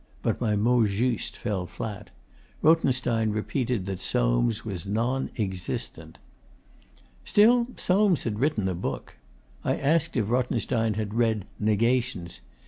But my mot juste fell flat. Rothenstein repeated that Soames was non existent. Still, Soames had written a book. I asked if Rothenstein had read 'Negations.